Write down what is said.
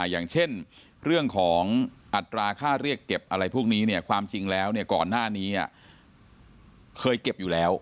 อย่างเช่นเรื่องของอัตราค่าเรียกเก็บอะไรพวกนี้เนี่ยความจริงแล้วก่อนหน้านี้เคยเก็บอยู่แล้ว